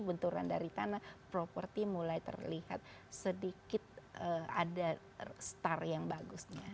benturan dari tanah properti mulai terlihat sedikit ada star yang bagusnya